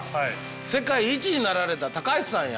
世界一になられた橋さんや。